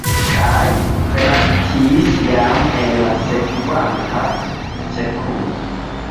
Kaj resaltis jam en la sekvanta sekundo.